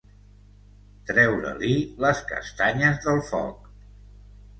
Treure-li les castanyes del foc.